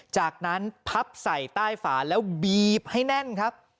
จากนั้นพับใส่ใต้ฝาแล้วบีบให้แน่นครับ